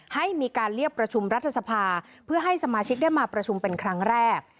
ให้มีการเรียกประชุมรัฐสภาเพื่อให้สมาชิกได้มาประชุมเป็นครั้งแรก